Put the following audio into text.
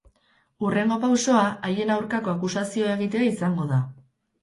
Hurrengo pausoa, haien aurkako akusazioa egitea izango da.